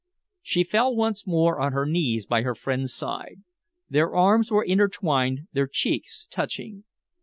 She fell once more on her knees by her friend's side. Their arms were intertwined, their cheeks touching.